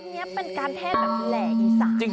อันนี้เป็นการเทศแบบแหล่อีสาน